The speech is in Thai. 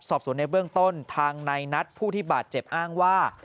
สอบสวนในเบื้องต้นทางในนัดผู้ที่บาดเจ็บอ้างว่า